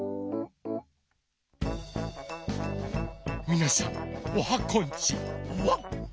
みなさんおはこんち